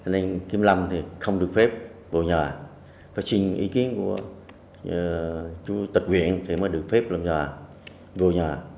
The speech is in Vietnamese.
nên kim lâm thì không được phép vượt nhà phát sinh ý kiến của chủ tịch huyện thì mới được phép vượt nhà